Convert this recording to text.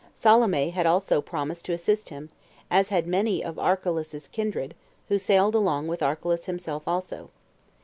Salome had also promised to assist him, as had many of Archelaus's kindred, who sailed along with Archelaus himself also.